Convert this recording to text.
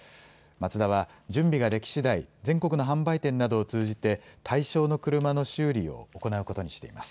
マツダは準備ができしだい全国の販売店などを通じて対象の車の修理を行うことにしています。